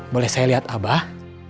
boleh saya lihat abah